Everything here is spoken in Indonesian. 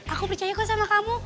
aku percaya kok sama kamu